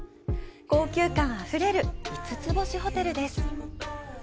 高級感あふれる五つ星ホテルです。